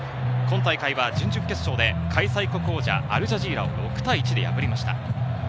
今大会は準々決勝で開催国王者アルジャジーラを６対１で破りました。